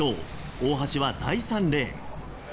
大橋は第３レーン。